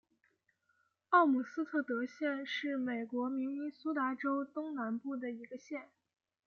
奥姆斯特德县是美国明尼苏达州东南部的一个县。